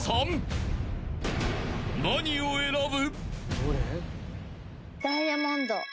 ［何を選ぶ？］